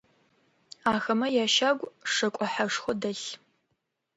Ахэмэ ящагу шэкӏо хьэшхо дэлъ.